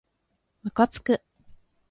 むかつく